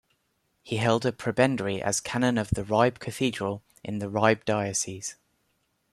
He held a prebendary as canon of the Ribe Cathedral in the Ribe diocese.